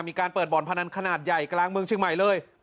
มีการเปิดบ่อนพนันขนาดใหญ่กลางเมืองเชียงใหม่เลย